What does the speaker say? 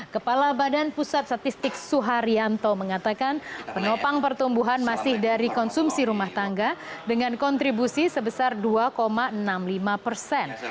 kepala badan pusat statistik suharyanto mengatakan penopang pertumbuhan masih dari konsumsi rumah tangga dengan kontribusi sebesar dua enam puluh lima persen